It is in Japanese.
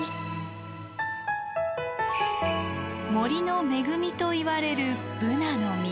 森の恵みといわれるブナの実。